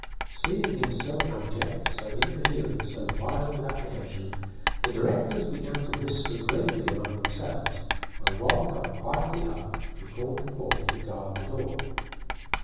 Seeing him so abject, so incoherent, so wild with apprehension, the directors began to whisper gravely among themselves, while one got quietly up and called the porter to guard the door.